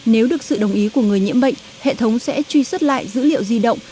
nếu được sự đồng ý của người nhiễm bệnh hệ thống sẽ truy xuất lại dữ liệu di động